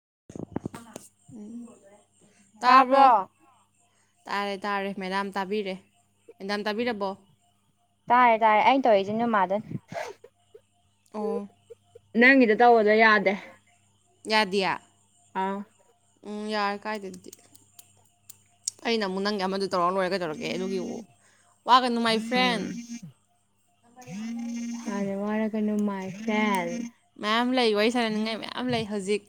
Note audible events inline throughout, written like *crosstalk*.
*unintelligible* ꯇꯥꯕ꯭ꯔꯣ ꯇꯥꯔꯕꯣ ꯇꯥꯔꯦ ꯇꯥꯔꯦ ꯃꯦꯗꯥꯝ ꯇꯥꯕꯤꯔꯦ ꯃꯦꯗꯥꯝ ꯇꯥꯕꯤꯔꯕꯣ ꯇꯥꯔꯦ ꯇꯥꯔꯦ ꯑꯩꯅ ꯇꯧꯔꯛꯏꯁꯦ ꯅꯣꯢ ꯃꯥꯗꯅꯤ ꯑꯣ ꯅꯪꯒꯤꯗ ꯇꯧꯕꯗꯣ ꯌꯥꯗꯦ ꯌꯥꯗꯤꯌꯦ ꯑꯥꯎ ꯎꯝ ꯌꯥꯔꯦ ꯀꯥꯏꯗꯦ ꯑꯩꯅ ꯑꯃꯨꯛ ꯅꯪꯒꯤ ꯑꯃꯗꯨ ꯇꯧꯔ ꯂꯣꯏꯔꯦ ꯀꯩꯗꯧꯒꯦ ꯑꯗꯨꯒꯤꯕꯨ ꯋꯥꯒꯅꯨ ꯃꯥꯏ ꯐ꯭ꯔꯦꯟ ꯎꯝ ꯀꯩꯅꯣꯃꯥꯏꯁꯦꯜ ꯃꯌꯥꯝ ꯂꯩ ꯋꯥꯔꯤ ꯁꯥꯟꯅꯅꯤꯡꯉꯥꯏ ꯃꯌꯥꯝ ꯂꯩ ꯍꯧꯖꯤꯛ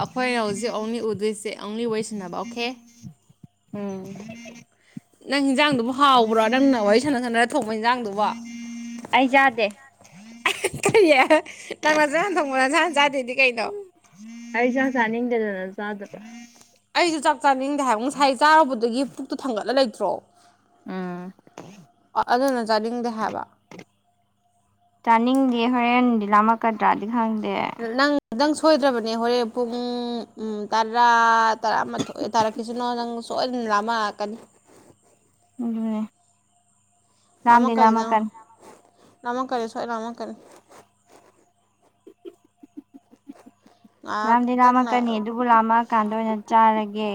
ꯑꯩꯈꯣꯏꯅ ꯍꯧꯖꯤꯛ ꯑꯣꯡꯂꯤ ꯎꯗꯣꯏꯁꯦ ꯑꯣꯡꯂꯤ ꯋꯥꯔꯤꯁꯟꯅꯕ ꯑꯣꯀꯦ ꯎꯝ ꯅꯪ ꯍꯤꯟꯖꯥꯡꯗꯨꯕꯨ ꯍꯥꯎꯕ꯭ꯔꯣ ꯅꯪꯅ ꯋꯥꯔꯤ ꯁꯥꯟꯅ ꯁꯥꯟꯅꯔ ꯊꯣꯡꯕ ꯍꯤꯟꯖꯥꯡꯗꯨꯕꯣ ꯑꯩ ꯖꯥꯗꯦ ꯑꯍꯥ ꯍꯥ ꯀꯔꯤ ꯅꯪ ꯅꯁꯥꯅ ꯊꯣꯡꯕ ꯅꯁꯥꯅ ꯆꯥꯗꯦꯗꯤ ꯀꯩꯅꯣ ꯑꯩ ꯆꯥꯛ ꯆꯥꯅꯤꯡꯗꯗꯅ ꯆꯥꯗꯕ ꯑꯩꯖꯨ ꯆꯥꯛ ꯆꯥꯅꯤꯡꯗꯦ ꯍꯥꯏꯕ ꯉꯁꯥꯏ ꯆꯥꯔꯨꯕꯗꯨꯒꯤ ꯄꯨꯛꯇꯨ ꯊꯟꯒꯠꯂ ꯂꯩꯇ꯭ꯔꯣ ꯎꯝ ꯑꯗꯨꯅ ꯆꯥꯅꯤꯡꯗꯦ ꯍꯥꯏꯕ ꯆꯥꯅꯤꯡꯗꯦ ꯍꯣꯔꯦꯟꯗꯤ ꯂꯥꯝꯃꯛꯀꯗ꯭ꯔꯥꯗꯤ ꯈꯪ ꯅꯪ ꯅꯪ ꯁꯨ ꯁꯣꯏꯗ꯭ꯔꯕꯅꯦ ꯍꯣꯔꯦꯟ ꯄꯨꯡ ꯎꯝ ꯇꯔꯥ ꯇꯔꯥ ꯃꯊꯣꯏ ꯇꯥꯔꯛ ꯗꯨꯅ ꯅꯪ ꯁꯣꯏꯗꯅ ꯂꯥꯝꯃꯛꯀꯅꯤ ꯅꯦ ꯂꯥꯝꯗꯤ ꯂꯥꯝꯃꯛꯀꯅꯤ ꯂꯥꯝꯃꯛꯀꯅꯤ ꯁꯣꯏ ꯂꯥꯝꯃꯛꯀꯅꯤ ꯂꯥꯝꯗꯤ ꯉꯥꯏꯍꯥꯛꯇꯪ ꯂꯥꯝꯃꯛꯀꯅꯤ ꯂꯥꯛꯑꯦꯕ ꯑꯗꯨꯕꯨ ꯂꯥꯝꯃ ꯀꯥꯟꯗ ꯑꯣꯏꯅ ꯆꯥꯔꯒꯦ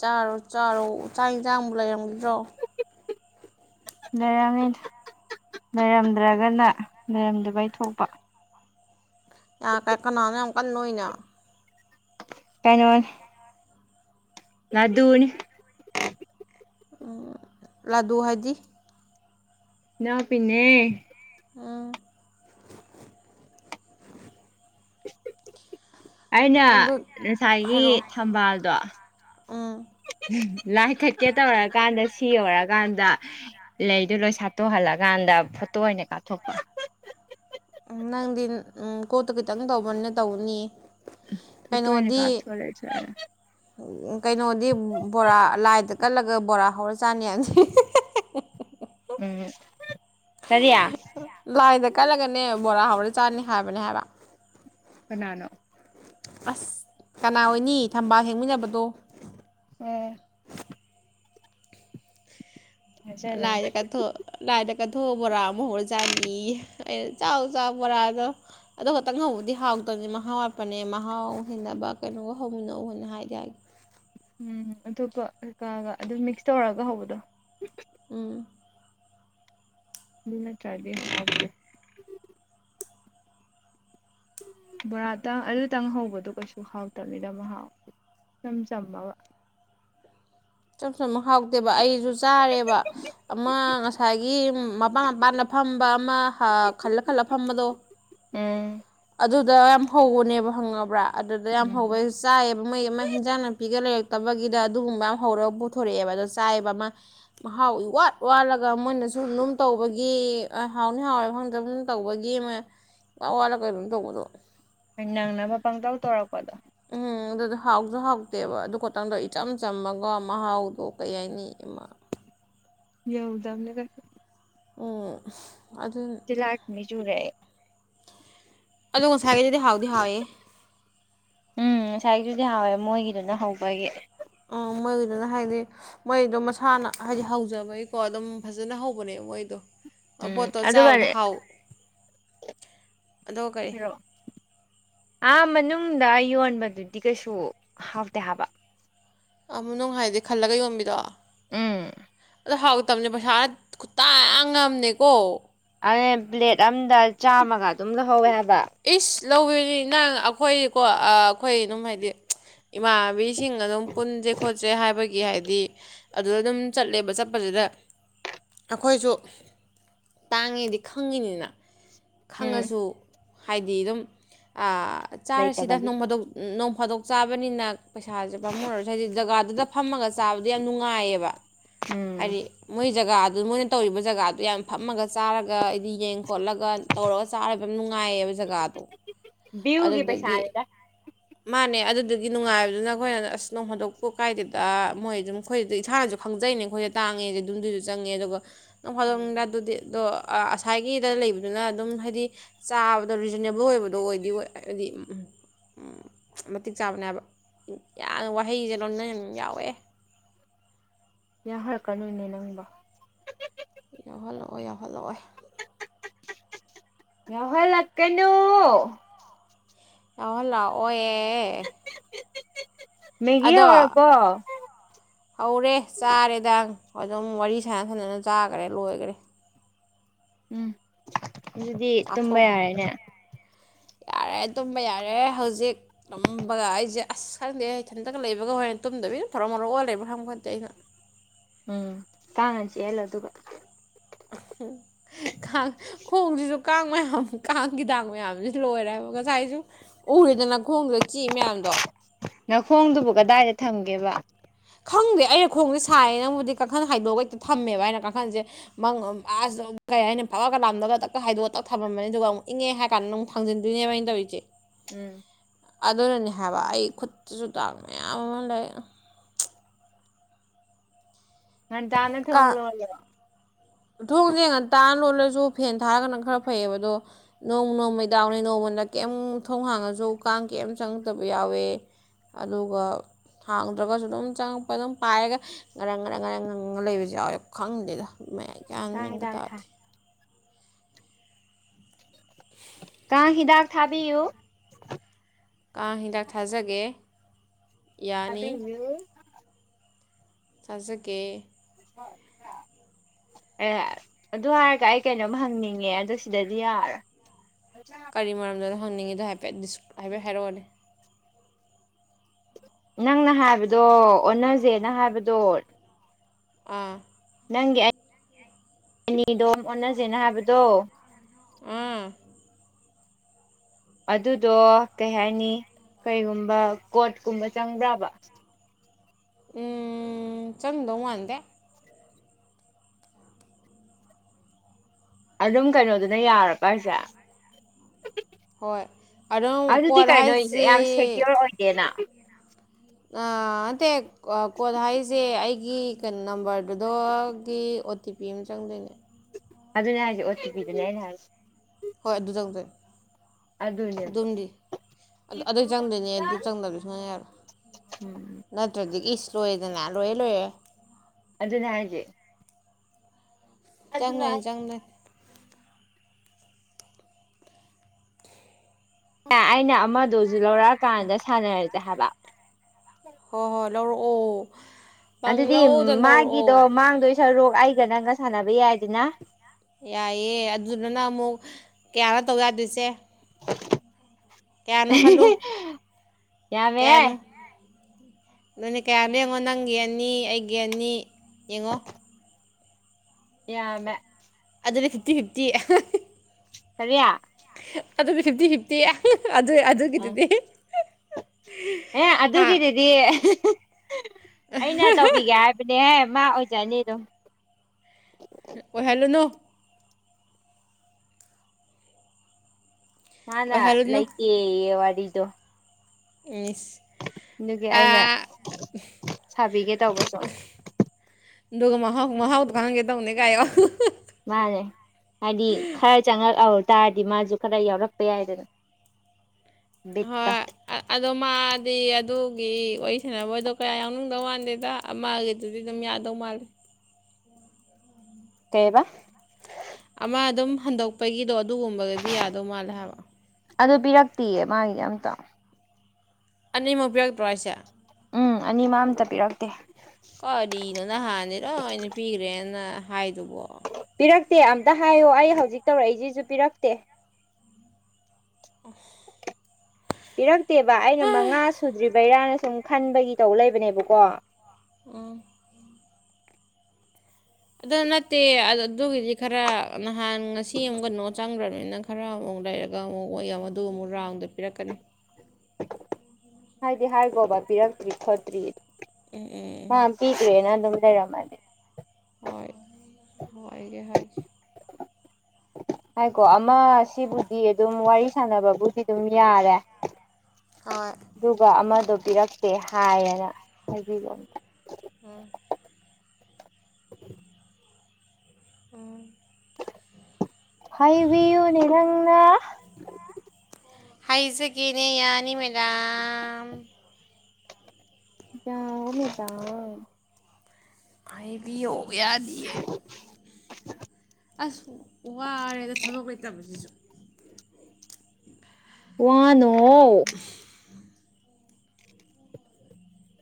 ꯆꯥꯔꯣ ꯆꯥꯔꯣ ꯆꯥꯛ ꯌꯦꯟꯁꯥꯡꯕꯨ ꯂꯩꯔꯝꯒꯗ꯭ꯔꯣ ꯂꯩꯔꯝꯃꯤ ꯍꯥ ꯍꯥ ꯍꯥ ꯂꯩꯔꯝꯗ꯭ꯔꯒꯅ ꯂꯩꯔꯝꯗꯕꯩ ꯊꯣꯛꯄ ꯀ ꯀꯅꯥꯅꯣ ꯌꯥꯝ ꯀꯟꯅ ꯅꯣꯛꯏꯅ ꯀꯩꯅꯣꯅꯦ ꯂꯥꯗꯨꯅꯤ ꯂꯥꯗꯨ ꯍꯥꯏꯗꯤ ꯏꯅꯥꯎꯄꯤꯅꯦ ꯎꯝ *unintelligible* ꯑꯩꯅ ꯑꯗꯨ ꯉꯁꯥꯏꯒꯤ ꯍꯥꯏꯔꯛꯑꯣ ꯊꯝꯕꯥꯜꯗꯣ ꯎꯝ ꯍꯨꯝ ꯂꯥꯏꯀꯠꯀꯦ ꯇꯧꯔꯀꯥꯟꯗ ꯁꯤ ꯌꯧꯔꯀꯥꯟꯗ ꯂꯩꯗꯨ ꯂꯣꯏ ꯁꯥꯠꯇꯣꯛꯍꯜꯂꯀꯥꯟꯗ ꯐꯣꯇꯣ ꯑꯣꯏꯅ ꯀꯥꯞꯊꯣꯛꯄ ꯎꯝ ꯅꯪꯗꯤ ꯎꯝ ꯀꯣꯠꯇꯨ ꯈꯤꯇꯪ ꯇꯧꯕꯅ ꯇꯧꯅꯤ ꯐꯣꯇꯣ ꯑꯣꯏꯅ ꯀꯩꯅꯣꯗꯤ ꯀꯥꯞꯊꯣꯔꯛꯑꯦ ꯁꯣꯏꯔꯦ ꯀꯩꯅꯣꯗꯤ ꯕꯣꯔꯥ ꯂꯥꯏꯗ ꯀꯠꯂꯒ ꯕꯣꯔꯥ ꯍꯧꯔ ꯆꯥꯅꯤ ꯍꯥꯏꯕꯅꯦ ꯍꯦ ꯍꯦ ꯍꯦ ꯎꯝ ꯀꯔꯤ ꯂꯥꯏꯗ ꯀꯠꯂꯒꯅꯦ ꯕꯣꯔꯥ ꯍꯧꯔ ꯆꯥꯅꯤ ꯍꯥꯏꯕꯅꯦ ꯍꯥꯏꯕ ꯀꯅꯥꯅꯣ ꯑꯁ ꯀꯅꯥ ꯑꯣꯏꯅꯤ ꯊꯝꯕꯥꯜ ꯍꯦꯛꯃꯤꯟꯅꯕꯗꯣ ꯎꯝ ꯊꯥꯖꯖꯅꯤ ꯂꯥꯏꯗ ꯀꯠꯊꯣ ꯂꯥꯏꯗ ꯀꯠꯊꯣꯛꯑ ꯕꯣꯔꯥ ꯑꯃꯨꯛ ꯍꯧꯔ ꯆꯥꯅꯤꯌꯦ ꯑꯩꯅ ꯆꯥꯎ ꯆꯥꯎ ꯕꯣꯔꯥꯗꯣ ꯑꯗꯨ ꯈꯇꯪ ꯍꯧꯕꯗꯤ ꯍꯥꯎꯇꯝꯅꯦ ꯃꯍꯥꯎ ꯋꯥꯠꯄꯅꯦ ꯃꯍꯥꯎ ꯍꯦꯟꯅꯕ ꯀꯩꯅꯣꯒ ꯍꯧꯃꯤꯟꯅꯧꯅ ꯍꯥꯏꯗꯤ ꯍꯥꯏ ꯎꯝ ꯑꯗꯨꯒ ꯀꯩꯀꯥꯒ ꯑꯗꯨꯝ ꯃꯤꯛꯁ ꯇꯧꯔꯒ ꯍꯧꯕꯗꯣ ꯎꯝ ꯑꯗꯨ ꯅꯠꯇꯔꯗꯤ ꯍꯥꯎꯇꯦ ꯕꯣꯔꯥꯇꯪ ꯑꯗꯨꯇꯪ ꯍꯧꯕꯗꯣ ꯀꯩꯁꯨ ꯍꯥꯎꯇꯝꯅꯤꯗ ꯃꯍꯥꯎ ꯏꯆꯝ ꯆꯝꯃꯒ ꯆꯝ ꯆꯝꯃ ꯍꯥꯎꯇꯦꯕ ꯑꯩꯁꯨ ꯆꯥꯔꯦꯕ ꯑꯃ ꯉꯁꯥꯏꯒꯤ ꯃꯄꯥꯟ ꯃꯄꯥꯟꯗ ꯐꯝꯕ ꯑꯃ ꯑꯥ ꯈꯜꯂ ꯈꯜꯂ ꯐꯝꯕꯗꯣ ꯎꯝ ꯑꯗꯨ ꯗ ꯌꯥꯝ ꯍꯧꯕꯅꯦꯕ ꯈꯪꯉꯕꯔꯥ ꯑꯗꯨꯗ ꯌꯥꯝ ꯎꯝ ꯍꯧꯕꯩ ꯆꯥꯏꯑꯦꯕ ꯃꯣꯏꯒꯤ ꯑꯃ ꯍꯤꯡꯖꯥꯡ ꯅꯥꯄꯤꯒ ꯂꯩꯔꯛ ꯇꯕꯒꯤꯗ ꯑꯗꯨꯒꯨꯝꯕ ꯍꯧꯔꯒ ꯄꯨꯊꯣꯔꯛꯑꯦꯕ ꯑꯗꯣ ꯆꯥꯏꯑꯦꯕ ꯑꯃ ꯃꯍꯥꯎ ꯏꯋꯥꯠ ꯋꯥꯠꯂꯒ ꯃꯣꯏꯅꯁꯨ ꯑꯗꯨꯝ ꯇꯧꯕꯒꯤ ꯍꯥꯎꯅꯤ ꯍꯥꯎꯔꯣꯏ ꯈꯪꯗ꯭ꯔ ꯑꯗꯨꯝ ꯇꯧꯕꯒꯤ ꯃꯣꯏ ꯏꯋꯥꯠ ꯋꯥꯠꯂꯒ ꯀꯩꯅꯣꯝ ꯇꯧꯕꯗꯣ ꯅꯪꯅꯕ ꯄꯪꯇꯧ ꯇꯧꯔꯛꯄꯗꯣ ꯎꯝ ꯑꯗꯨꯗꯣ ꯍꯥꯎꯁꯨ ꯍꯥꯎꯇꯦꯕ ꯑꯗꯨ ꯈꯇꯪꯗꯣ ꯏꯆꯝ ꯆꯝꯃꯒ ꯃꯍꯥꯎꯗꯣ ꯀꯩ ꯍꯥꯏꯅꯤ ꯑꯃ ꯌꯥꯎꯗꯝꯅꯦ ꯀꯩꯁꯨ ꯎꯝ ꯑꯗꯨ ꯇꯤꯂꯥꯏ ꯈꯨꯝꯕꯤ ꯆꯨꯔꯦ ꯑꯩ ꯑꯗꯣ ꯉꯁꯥꯏꯒꯤꯗꯨꯗꯤ ꯍꯥꯎꯗꯤ ꯍꯥꯎꯋꯦꯍꯦ ꯗꯨꯗꯤ ꯍꯥꯎꯋꯦ ꯃꯣꯏꯒꯤꯗꯨꯅ ꯍꯧꯕꯒꯤ ꯑꯣ ꯃꯣꯏꯒꯤꯗꯨꯅ ꯍꯥꯏꯗꯤ ꯃꯣꯏꯗꯣ ꯃꯁꯥꯅ ꯍꯥꯏꯗꯤ ꯍꯧꯖꯕꯒꯤꯀꯣ ꯑꯗꯨꯝ ꯐꯖꯅ ꯍꯧꯕꯅꯦ ꯃꯣꯏꯗꯣ ꯎꯝ ꯃꯄꯣꯠꯇꯣ ꯆꯥꯕꯗ ꯑꯗꯨꯒꯅꯦ ꯍꯥꯎ ꯑꯗꯣ ꯀꯔꯤ ꯑꯥ ꯃꯅꯨꯡ ꯅꯨꯡꯗ ꯌꯣꯟꯕꯗꯨꯗꯤ ꯀꯩꯁꯨ ꯍꯥꯎꯇꯦ ꯍꯥꯕ ꯑꯥ ꯃꯅꯨꯡ ꯍꯥꯏꯗꯤ ꯈꯜꯂꯒ ꯌꯣꯟꯕꯤꯗꯣ ꯎꯝ ꯑꯗꯨ ꯍꯥꯎꯇꯝꯅꯦ ꯄꯩꯁꯥꯅ ꯈꯨꯇꯥꯡ ꯑꯝꯅꯦꯀꯣ ꯉꯦ ꯄ꯭ꯂꯦꯠ ꯑꯝꯗ ꯆꯥꯝꯃꯒ ꯑꯗꯨꯝ ꯂꯧꯍꯧꯋꯦ ꯍꯥꯏꯕ *unintelligible* ꯅꯪ ꯑꯩꯈꯣꯏꯒꯤꯀꯣ ꯑꯥ ꯑꯩꯈꯣꯏ ꯑꯗꯨꯝ ꯍꯥꯏꯗꯤ ꯏꯃꯥꯟꯅꯕꯤ ꯁꯤꯡꯒ ꯑꯗꯨꯝ ꯄꯨꯟꯁꯦ ꯈꯣꯠꯆꯦ ꯍꯥꯏꯕꯒꯤ ꯏ ꯍꯥꯏꯗꯤ ꯑꯗꯨꯗ ꯑꯗꯨꯝ ꯆꯠꯂꯦꯕ ꯆꯠꯄꯗꯨꯗ ꯑꯩꯈꯣꯏꯁꯨ ꯇꯥꯡꯉꯦꯗꯤ ꯈꯪꯉꯤꯅꯤꯗꯅ ꯎꯝ ꯈꯪꯉꯁꯨ ꯍꯥꯏꯗꯤ ꯑꯗꯨꯝ ꯑꯥ ꯆꯥꯔꯁꯤꯗ ꯂꯩꯇꯕꯒꯤ ꯅꯣꯡꯐꯗꯣꯛ ꯅꯣꯡ ꯐꯗꯣꯛ ꯆꯥꯕꯅꯤꯅ ꯄꯩꯁꯥꯁꯦ ꯄꯥꯝꯃꯨꯔꯁꯨ ꯍꯥꯏꯗꯤ ꯖꯒꯥꯗꯨꯗ ꯐꯝꯃꯒ ꯆꯥꯕꯗꯨ ꯌꯥꯝ ꯅꯨꯡꯉꯥꯏꯌꯦꯕ ꯎꯝ ꯍꯥꯏꯗꯤ ꯃꯣꯏ ꯖꯒꯥ ꯑꯗꯨ ꯃꯣꯏꯅ ꯇꯧꯔꯤꯕ ꯖꯒꯥꯗꯨ ꯌꯥꯝ ꯐꯝꯃꯒ ꯆꯥꯔꯒ ꯌꯦꯡ ꯈꯣꯠꯂꯒ ꯇꯧꯔꯒ ꯆꯥꯔꯒꯅꯨꯡ ꯉꯌꯦꯕ ꯖꯥꯒꯗꯣ ꯕ꯭ꯌꯨꯎꯒꯤ ꯄꯩꯁꯥꯅꯤꯗ ꯃꯥꯅꯦ ꯑꯗꯨꯗꯨꯒꯤ ꯅꯨꯡꯉꯥꯏꯕꯗꯨꯅ ꯑꯩꯈꯣꯏꯑꯗꯥ ꯑꯁ ꯅꯣꯡꯐꯥꯗꯣꯛ ꯀꯣꯛ ꯀꯥꯏꯗꯗ ꯃꯣꯏ ꯑꯗꯨꯝ ꯑꯩꯈꯣꯏꯗ ꯏꯁꯥꯅꯁꯨ ꯈꯪꯖꯩꯅꯦ ꯑꯩꯈꯣꯏꯖꯦ ꯇꯥꯡꯉꯦꯁꯦ ꯑꯗꯨꯖꯨ ꯆꯪꯉꯦ ꯑꯗꯨꯒ ꯅꯣꯡ ꯐꯗꯣꯛ ꯎꯝ ꯅꯤꯗ ꯑꯗꯨꯗꯤ- ꯑꯑꯁꯥꯏꯒꯤꯗ ꯂꯩꯕꯗꯨꯅ ꯑꯗꯨꯝ ꯍꯥꯏꯗꯤ ꯆꯥꯕꯗ ꯔꯤꯖꯅꯦꯕꯜ ꯑꯣꯏꯕꯗꯣ ꯑꯣꯏꯗꯤ ꯑꯣꯏ ꯍꯥꯏꯗꯤ ꯃꯇꯤꯛ ꯆꯥꯕꯅꯦꯕ ꯌꯥꯝ ꯋꯥꯍꯩꯁꯦ ꯂꯣꯟꯅ ꯌꯥꯎꯋꯦ ꯌꯥ ꯍꯔꯂꯛꯀꯅꯨꯅꯦ ꯅꯪꯅꯤꯡꯕ ꯌꯥꯎꯍꯜꯂꯛꯑꯣ ꯌꯥꯎꯍꯜꯂꯛꯑꯣꯏ ꯉꯥꯎꯍꯟꯂꯛꯀꯥꯅꯨ ꯂꯥꯛꯑꯣꯌꯦ *inaudible* ꯃꯦꯒꯤ ꯑꯗꯣ ꯍꯧꯔꯕꯣ ꯍꯧꯔꯦ ꯆꯥꯔꯦꯗ ꯑꯗꯨꯝ ꯋꯥꯔꯤ ꯁꯥꯟꯅ ꯁꯥꯟꯅꯅ ꯆꯥꯈꯔꯦ ꯂꯣꯏꯈꯔꯦ ꯎꯝ ꯑꯗꯨꯗꯤ ꯇꯨꯝꯕ ꯆꯥꯊꯣꯛꯈꯔꯦ ꯌꯥꯔꯦꯅꯦ ꯌꯥꯔꯦ ꯇꯨꯝꯕ ꯌꯥꯔꯦ ꯍꯧꯖꯤꯛ ꯇꯨꯝꯕꯒ ꯑꯩꯁꯦ ꯑꯁ ꯈꯪꯗꯦ ꯏꯊꯟꯇꯒ ꯂꯩꯕꯒ ꯑꯣꯏ ꯇꯨꯝꯗꯕꯤꯅ ꯊꯔꯣ ꯃꯔꯣ ꯑꯣꯜꯂꯦꯕ꯭ꯔ ꯈꯪ ꯄꯣꯠꯇꯦ ꯑꯩꯅ ꯎꯝ ꯀꯥꯡꯅ ꯆꯤꯡꯍꯟꯂꯣ ꯑꯗꯨꯒ ꯈꯥꯡ ꯈꯣꯡꯁꯤꯁꯨ ꯀꯥꯡ ꯃꯌꯥꯝ ꯀꯥꯡ ꯍꯤꯗꯥꯛ ꯃꯌꯥꯝ ꯂꯣꯏꯔꯦ ꯉꯥꯁꯥꯏꯁꯨ ꯎꯔꯦꯗꯅ ꯈꯣꯡꯗꯨꯗ ꯆꯤꯛꯏ ꯃꯌꯥꯝꯗꯣ ꯅꯥꯈꯣꯡꯗꯨꯕꯨ ꯀꯗꯥꯏꯗ ꯊꯝꯒꯦꯕ ꯈꯪꯗꯦ ꯑꯩꯩꯅ ꯈꯣꯡꯁꯦ ꯁꯥꯏꯌꯦ ꯅꯕꯨꯗꯤ ꯀꯥꯡꯈꯟ ꯍꯥꯏꯗꯣꯛꯑꯒ ꯊꯝꯃꯦꯕ ꯑꯩꯅ ꯀꯥꯡꯈꯟꯁꯦ ꯃꯪ ꯑꯁ ꯀꯩ ꯑꯩꯅ ꯐꯛꯑꯒ ꯂꯥꯝꯂꯒ ꯇꯛꯀ ꯍꯥꯏꯗꯣꯛꯑ ꯇꯛ ꯊꯝꯃꯝꯝꯕꯅꯤ ꯑꯗꯨꯒ ꯑꯃꯨꯛ ꯏꯪꯉꯦ ꯍꯥꯏ ꯀꯥꯟꯗ ꯑꯃꯨꯛ ꯐꯪꯖꯤꯟꯗꯣꯏꯅꯦꯕ ꯑꯩꯅ ꯇꯧꯔꯤꯁꯦ ꯎꯝ ꯑꯗꯨꯅꯅꯦ ꯍꯥꯏꯕ ꯑꯩ ꯈꯨꯠꯇꯨꯁꯨ ꯗꯥꯛ ꯃꯌꯥꯝ ꯑꯃ ꯂꯩ ꯉꯟ ꯇꯅ ꯊꯣꯡ ꯂꯛꯑꯣꯌꯣ ꯊꯣꯡꯖꯦ ꯉꯟ ꯇꯥ ꯂꯣꯜꯂꯖꯨ ꯐꯦꯟ ꯊꯥꯔꯒꯅꯪ ꯈꯔ ꯐꯩꯌꯦꯕ ꯗꯣ ꯅꯣꯡ ꯅꯣꯡꯃꯩꯗꯥꯥꯛꯅꯦ ꯅꯣꯡꯃꯅ ꯀꯩꯝ ꯊꯣꯡ ꯍꯥꯡꯉꯁꯨ ꯀꯥꯡ ꯀꯝ ꯆꯪꯉꯛꯇꯕ ꯌꯥꯎꯋꯦ ꯑꯗꯨꯒ ꯍꯥꯡꯗ꯭ꯔꯒꯁꯨ ꯑꯗꯨꯝ ꯆꯪꯉꯛꯄ ꯑꯗꯨꯝ ꯄꯥꯏꯔꯒ ꯉꯔꯪ ꯉꯔꯪ ꯉꯔꯪ ꯉꯪꯉꯥꯒ ꯂꯩꯕꯁꯨ ꯌꯥꯎꯋꯦ ꯈꯪꯗꯦꯗ ꯒꯌꯟ ꯀꯥꯡ ꯃꯦꯟꯒ ꯍꯤꯗꯥꯛ ꯊꯥ ꯇꯥꯗꯦ ꯀꯥꯡ ꯍꯤꯗꯥꯥꯛ ꯊꯥꯕꯤꯌꯨ ꯀꯥꯡ ꯍꯤꯗꯥꯛ ꯊꯥꯖꯒꯦ ꯌꯥꯅꯤ ꯑꯕꯦꯝꯃꯨ *unintelligible* ꯆꯖꯒꯦ ꯑꯦ ꯑꯗꯨ ꯍꯥꯏꯔꯒ ꯑꯩ ꯀꯩꯅꯣꯝ ꯍꯪꯅꯤꯡꯉꯦ ꯑꯗ ꯁꯤꯗꯗꯤ ꯌꯥꯔꯣꯏ ꯀꯔꯤ ꯃꯔꯝꯅꯗꯣ ꯍꯪꯅꯤꯡꯉꯤꯗꯣ ꯍꯥꯏ *unintelligible* ꯅꯪꯅ ꯍꯥꯏꯕꯗꯣ ꯑꯣꯟꯅꯖꯦꯅ ꯍꯥꯏꯕꯗꯣ ꯑ ꯅꯪꯒꯤ ꯑꯅꯤꯗꯣ ꯑꯣꯟꯅꯖꯦꯅ ꯍꯥꯏꯕꯗꯣ ꯎꯝ ꯑꯗꯨꯗꯣ ꯀꯩ ꯍꯥꯏꯅꯤ ꯀꯩꯒꯨꯝꯕ ꯀꯣꯔꯠꯀꯨꯝꯕ ꯆꯪꯕ꯭ꯔꯥꯕ ꯎꯝ ꯆꯪꯗꯧ ꯃꯥꯟꯗꯦ ꯑꯗꯨꯝ ꯀꯩꯅꯣꯗꯨꯅ ꯌꯥꯔꯕꯥ ꯍꯥꯏꯁꯦ ꯍꯣꯏ ꯑꯗꯨꯝ ꯑꯗꯨꯗꯤ ꯀꯣꯠ ꯀꯩꯅꯣ ꯍꯥꯏꯁꯦ ꯌꯥꯝ ꯁꯦꯀ꯭ꯌꯣꯔ ꯑꯣꯏꯗꯦꯅ ꯅꯟꯇꯦ ꯀꯣꯠ ꯍꯥꯏꯖꯤ ꯑꯩꯒꯤ ꯀꯩꯅꯣ ꯅꯝꯕꯔꯗꯨꯗꯒꯤ ꯑꯣ ꯇꯤ ꯄꯤ ꯑꯃ ꯆꯪꯗꯣꯏꯅꯦ ꯑꯗꯨꯅꯦ ꯍꯥꯏꯁꯦ ꯑꯣ ꯇꯤ ꯄꯤ ꯗꯨꯅꯦ ꯑꯩꯅ ꯍꯥꯏꯁꯦ ꯍꯣꯏ ꯑꯗꯨ ꯇꯧꯗꯣꯏ ꯑꯗꯨꯅꯦꯕ ꯑꯗꯨꯝꯗꯤ ꯑꯗꯨ ꯑꯗꯨ ꯆꯪꯗꯣꯏꯅꯦ ꯑꯗꯨ ꯆꯪꯗꯕꯗꯤ ꯁꯨꯌꯥ ꯌꯥꯔꯣꯏ ꯎꯝ ꯅꯠꯇ꯭ꯔꯗꯤ ꯏꯁ ꯂꯣꯏꯔꯦ *unintelligible* ꯂꯣꯏ ꯂꯩꯔꯦ ꯑꯗꯨꯅꯦ ꯍꯥꯏꯖꯦ ꯆꯪꯗꯣꯏꯅꯦ ꯆꯪꯗꯣꯏꯅꯦ ꯑꯩꯅ ꯑꯃꯗꯨ ꯨ ꯂꯧꯔꯛꯑꯀꯥꯟꯗ ꯁꯥꯟꯅꯔ *unintelligible* ꯍꯣꯏ ꯍꯣꯏ ꯂꯧꯔꯛꯑꯣ ꯑꯗꯨꯗꯤ ꯄꯪꯂꯧꯗ ꯂꯧꯔꯛꯑꯣ ꯃꯥꯒꯤꯗꯣ ꯃꯥꯡꯗꯣꯏ ꯁꯔꯨꯛ ꯑꯩꯒ ꯅꯪꯒ ꯁꯥꯟꯅꯕ ꯌꯥꯏꯗꯅ ꯌꯥꯏꯌꯦ ꯑꯗꯨꯗꯨꯅ ꯑꯃꯨꯛ ꯀꯌꯥꯅꯣ ꯇꯧ ꯌꯥꯗꯣꯏꯁꯦ ꯀꯌꯥꯅꯣ ꯈꯜꯂꯨ ꯌꯥꯝꯃꯦꯍꯦ ꯑꯗꯨꯅꯦ ꯀꯌꯥꯅꯣ ꯌꯦꯡꯉꯨ ꯅꯪꯒꯤ ꯑꯅꯤ ꯑꯩꯒꯤ ꯑꯅꯤ ꯌꯦꯡꯉꯣ ꯌꯥꯝꯃꯦ ꯑꯗꯨꯗꯤ ꯐꯤꯞꯇꯤ ꯐꯤꯞꯇꯤ ꯀꯔꯤꯌꯥ ꯑꯗꯨꯗꯤ ꯐꯤꯞꯇꯤ ꯐꯤꯞꯇꯤ ꯑꯗꯨ ꯑꯗꯨꯒꯤꯗꯨꯗꯤ ꯑꯦ ꯍꯥ ꯑꯗꯨꯒꯤꯗꯨꯗꯤ ꯑꯩꯅ ꯇꯧꯕꯤꯒꯦ ꯍꯥꯏꯕꯅꯦꯍꯦ ꯃꯥ ꯑꯣꯏꯖꯥꯅꯤꯗꯨꯝ ꯑꯣꯏꯍꯜꯂꯨꯅꯨ ꯃꯥꯅ ꯑꯣꯏꯍꯜꯂꯨꯅꯨ ꯂꯩꯇꯦ ꯌꯦ ꯋꯥ *inaudible* ꯏꯁ ꯑꯗꯨꯒꯤ ꯑꯩꯅ ꯑꯥ ꯁꯥꯕꯤꯒꯦ ꯇꯧꯕꯁꯨ ꯑꯗꯨꯒ ꯃꯍꯥꯎ ꯃꯍꯥꯎꯗꯨ ꯈꯪꯍꯟꯒꯦ ꯇꯧꯕꯅꯤ ꯒꯥꯏ ꯍꯥꯏꯌꯣ ꯃꯥꯅꯦ ꯍꯥꯏꯗꯤ ꯈꯔ ꯆꯪꯉꯛ ꯑꯧ ꯇꯥꯔꯗꯤ ꯃꯥꯖꯨ ꯈꯔ ꯌꯥꯎꯔꯛꯄ ꯌꯥꯏꯗꯅ ꯕꯤꯠꯇꯣ ꯍꯣꯏ ꯑ ꯑꯗꯣꯃꯥꯗꯤ ꯑꯗꯨ ꯒꯤ ꯋꯥꯔꯤ ꯁꯥꯟꯅꯕꯗꯣ ꯀꯌꯥ ꯌꯥꯎꯅꯤꯡꯗꯧ ꯃꯥꯟꯗꯦꯗ ꯑꯃꯒꯤꯗꯨꯗꯤ ꯑꯗꯨꯝ ꯌꯥꯗꯧ ꯃꯥꯜꯂꯦ ꯀꯩꯕ ꯑꯃ ꯑꯗꯨꯝ ꯍꯟꯗꯣꯛꯄꯒꯤꯗꯣ ꯑꯗꯨꯒꯨꯝꯕꯗꯨꯗꯤ ꯌꯥꯗꯧ ꯃꯥꯜꯂꯦ ꯍꯥꯏꯕ ꯑꯗꯨ ꯄꯤꯔꯛꯇꯤꯌꯦ ꯃꯥꯒꯤ ꯑꯝꯇ ꯑꯅꯤꯃꯛ ꯄꯤꯔꯛꯇ꯭ꯔꯣ ꯍꯥꯏꯁꯦ ꯎꯝ ꯑꯅꯤꯃꯛ ꯑꯃꯝꯇ ꯄꯤꯔꯛꯇꯦ ꯀꯔꯤꯅꯣ ꯅꯍꯥꯟꯗꯤ ꯂꯣꯏꯅ ꯄꯤꯔꯦꯅ ꯍꯥꯏꯗꯨꯕꯨ ꯄꯤꯔꯛꯇꯦ ꯑꯝꯇ ꯍꯥꯏꯌꯣ ꯑꯩ ꯍꯧꯖꯤꯛ ꯇꯧꯔꯩꯏꯁꯤꯁꯨ ꯄꯤꯔꯛꯇꯦ ꯑꯁ ꯄꯤꯔꯛꯇꯦꯕ ꯑꯩꯅ ꯃꯉꯥ ꯁꯨꯗ꯭ꯔꯤꯕꯩꯔꯥꯅ ꯁꯨꯝ ꯈꯟꯕꯒꯤ ꯇꯧ ꯂꯩꯕꯅꯦꯕꯀꯣ ꯎꯝ ꯑꯗꯨ ꯅꯠꯇꯦ ꯑꯗꯨꯒꯤꯗꯤ ꯈꯔ ꯅꯍꯥꯟ ꯉꯁꯤ ꯑꯃꯒꯅꯣ ꯆꯪꯈ꯭ꯔꯕꯅꯤꯅ ꯈꯔ ꯑꯃꯨꯛ ꯂꯩꯔꯒ ꯑꯃꯨꯛ ꯃꯣꯏ ꯑꯃꯗꯨꯃꯨꯛ ꯔꯥꯎꯟꯗ ꯄꯤꯔꯛꯀꯅꯤ ꯍꯥꯏꯗꯤ ꯍꯥꯏꯈꯣꯕ ꯄꯤꯔꯛꯇ꯭ꯔꯤ ꯈꯣꯠꯇ꯭ꯔꯤ ꯎꯝ ꯎꯝ ꯃꯥ ꯎꯝ ꯄꯤꯈ꯭ꯔꯦꯅ ꯑꯗꯨꯝ ꯂꯩꯔꯝꯃꯅꯤ *inaudible* ꯍꯣꯏ ꯍꯥꯏꯒꯦ ꯍꯥꯏꯒꯦ ꯍꯥꯏꯀꯣ ꯑꯃ ꯁꯤꯕꯨꯗꯤ ꯑꯗꯨꯝ ꯋꯥꯔꯤ ꯁꯥꯟꯅꯕꯕꯨꯗꯤ ꯑꯗꯨꯝ ꯌꯥꯔꯦ ꯍꯣꯏ ꯑꯗꯨꯒ ꯑꯃꯗ ꯄꯤꯔꯛꯇꯦ ꯍꯥꯏꯌꯦꯅ ꯍꯥꯏꯕꯤꯔꯝ ꯍꯝ ꯑꯣ ꯍꯥꯏꯕꯤꯌꯨꯅꯦ ꯅꯪꯅ ꯍꯥꯏꯖꯒꯦꯅꯦ ꯌꯥꯅꯤ ꯃꯦꯗꯥꯝ *inaudible* ꯍꯥꯏꯕꯤꯌꯣ ꯌꯥꯗꯤꯌꯦ ꯑꯁ ꯋꯥꯔꯦꯗ ꯊꯕꯛ ꯂꯩꯇꯕꯁꯤꯁꯨ ꯋꯥꯅꯣ ꯍꯥꯎ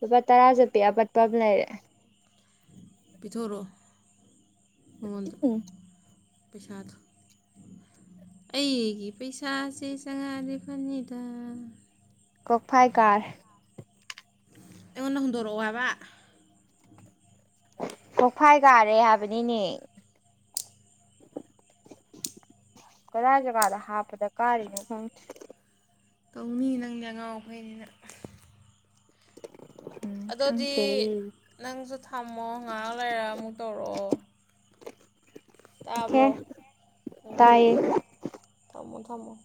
ꯂꯨꯄꯥ ꯇꯔꯥ ꯆꯠꯄꯤ ꯑꯄꯠꯄ ꯑꯃ ꯂꯩꯔꯦ ꯄꯤꯊꯣꯔꯑꯣ ꯃꯪꯑꯣꯟꯗ ꯎꯝ ꯄꯩꯁꯥꯗꯣ ꯑꯩꯑꯩꯒꯤ ꯄꯩꯁꯥꯁꯦ ꯆꯪꯉꯛꯑꯗꯤ ꯐꯅꯤꯗ ꯀꯣꯛꯐꯥꯏꯀꯥꯔꯦ ꯑꯩꯉꯣꯟꯗ ꯍꯨꯟꯗꯣꯔꯛꯑꯣ ꯍꯥꯏꯕ ꯀꯣꯛꯐꯥꯏ ꯀꯥꯔꯦ ꯍꯥꯏꯕꯅꯤꯅꯦ ꯀꯗꯥꯏ ꯖꯒꯥꯗ ꯍꯥꯞꯄꯗ ꯀꯥꯏꯔꯤꯅꯣ ꯈꯪꯗꯦ ꯇꯧꯅꯤ ꯅꯪꯗꯤ ꯑꯉꯥꯎ ꯑꯐꯩꯅꯤꯅ ꯎꯝ ꯑꯗꯨꯗꯤ ꯈꯪꯗꯦ ꯅꯪꯁꯨ ꯊꯝꯃꯣ ꯉꯥꯏꯍꯥꯛ ꯂꯩꯔ ꯑꯃꯨꯛ ꯇꯧꯔꯛꯑꯣ ꯀꯦ ꯇꯥꯕ꯭ꯔꯣ ꯎꯝ ꯇꯥꯏꯌꯦ ꯇꯥꯏꯌꯦ ꯊꯝꯃꯣ *unintelligible*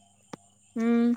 ꯎꯝ